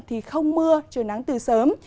thì không mưa trời nắng từ sớm